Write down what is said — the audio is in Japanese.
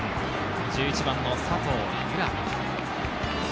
１１番の佐藤由空。